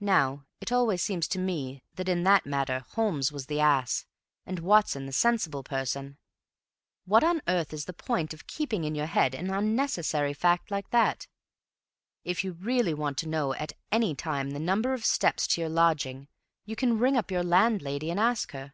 Now, it always seemed to me that in that matter Holmes was the ass, and Watson the sensible person. What on earth is the point of keeping in your head an unnecessary fact like that? If you really want to know at any time the number of steps to your lodging, you can ring up your landlady and ask her.